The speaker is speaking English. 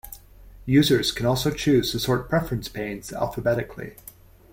Users can also choose to sort preference panes alphabetically.